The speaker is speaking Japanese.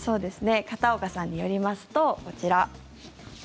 片岡さんによりますとこちら。